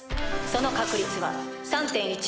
その確率は３．１４％。